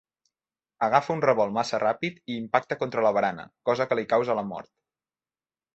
Agafa un revolt massa ràpid i impacta contra la barana, cosa que li causa la mort.